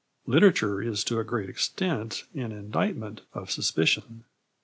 Literature is to a great extent an indictment of suspicion.